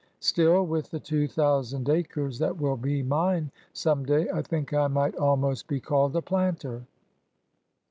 Still, with the two thousand acres that will be mine some day, I think I might almost be called a planter."